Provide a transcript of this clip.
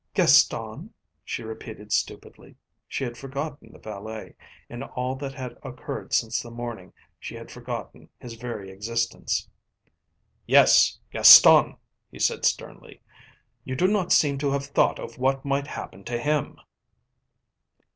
"Gaston?" she repeated stupidly. She had forgotten the valet, in all that had occurred since the morning she had forgotten his very existence. "Yes Gaston," he said sternly. "You do not seem to have thought of what might happen to him."